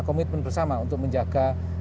komitmen bersama untuk menjaga